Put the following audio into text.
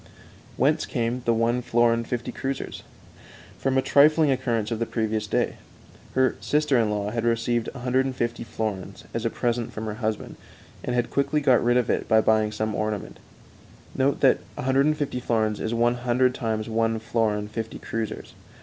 Whence came the one florin fifty kreuzers? From a trifling occurrence of the previous day. Her sister in law had received 150 florins as a present from her husband, and had quickly got rid of it by buying some ornament. Note that 150 florins is one hundred times one florin fifty kreuzers.